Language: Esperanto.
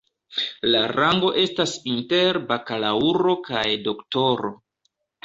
La rango estas inter bakalaŭro kaj doktoro.